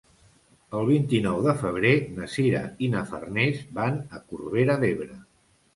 El vint-i-nou de febrer na Sira i na Farners van a Corbera d'Ebre.